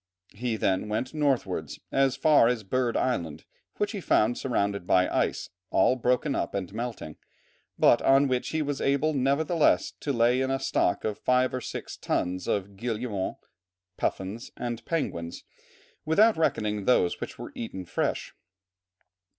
He then went northwards as far as Bird Island, which he found surrounded by ice, all broken up and melting, but on which he was able, nevertheless, to lay in a stock of five or six tons of guillemots, puffins, and penguins, without reckoning those which were eaten fresh.